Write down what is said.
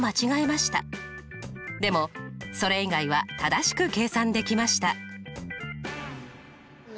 でもそれ以外は正しく計算できました。